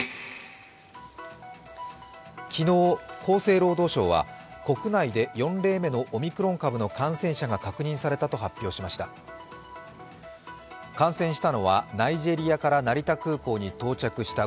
昨日、厚生労働省は国内で４例目のオミクロン株の感染者が確認されたと発表しました。